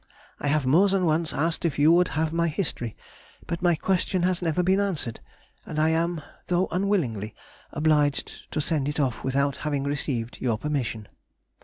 — I have more than once asked if you would have my history, but my question has never been answered, and I am (though unwillingly) obliged to send it off without having received your permission....